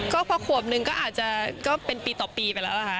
ก็พอขวบหนึ่งก็อาจจะก็เป็นปีต่อปีไปแล้วนะคะ